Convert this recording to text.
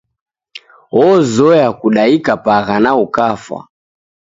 Oozoya kudaika pagha na ukafwa